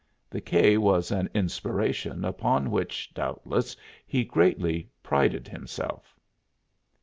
The K. was an inspiration upon which, doubtless, he greatly prided himself.